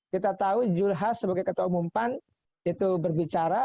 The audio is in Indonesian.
kita tahu zulhas sebagai ketua umum pan itu berbicara